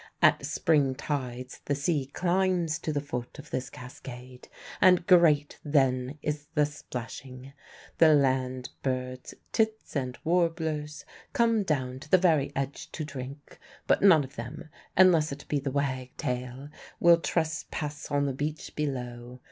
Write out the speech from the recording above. At spring tides the sea climbs to the foot of this cascade, and great then is the splashing. The land birds, tits and warblers, come down to the very edge to drink; but none of them unless it be the wagtail will trespass on the beach below.